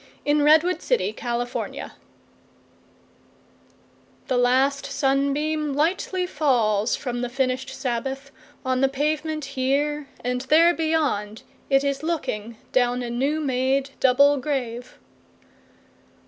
Dirge for Two Veterans 1THE LAST sunbeamLightly falls from the finish'd Sabbath, On the pavement here—and there beyond, it is looking, Down a new made double grave.